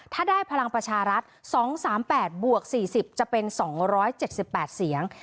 ถ้าได้พลังประชารัฐ๒๓๘บวก๔๐จะเป็น๒๗๘เสียง